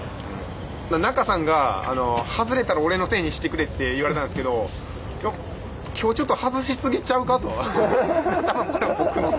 仲さんが外れたら俺のせいにしてくれと言われたんですけどきょうちょっと外し過ぎちゃうかと。